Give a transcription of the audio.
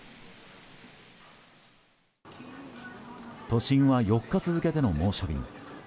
都心は４日続けての猛暑日。